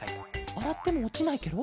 あらってもおちないケロ？